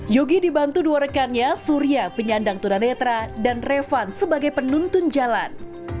yogi dibantu dua rekannya surya penyandang tunanetra dan revan sebagai penuntun jalan